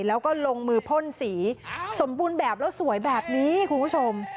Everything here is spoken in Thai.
แล้วก็ลงมือพ่นสีสมบูรณ์แบบแล้วสวยแบบนี้คุณผู้ชม